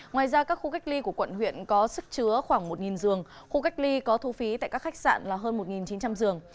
ngoài ra các khu cách ly của quận huyện có sức chứa khoảng một giường khu cách ly có thu phí tại các khách sạn là hơn một chín trăm linh giường